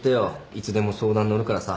いつでも相談乗るからさ。